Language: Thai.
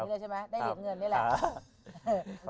ได้เหรียญเงินนี่แหละ